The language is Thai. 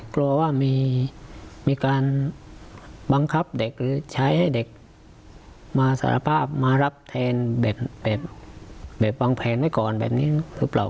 กลัวว่ามีการบังคับเด็กหรือใช้ให้เด็กมาสารภาพมารับแทนแบบวางแผนไว้ก่อนแบบนี้หรือเปล่า